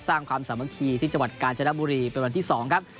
ความสามัคคีที่จังหวัดกาญจนบุรีเป็นวันที่๒ครับ